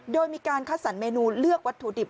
โดยมีการคัดสรรเมนูเลือกวัตถุดิบ